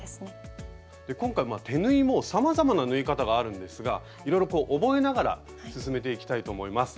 で今回手縫いもさまざまな縫い方があるんですがいろいろこう覚えながら進めていきたいと思います。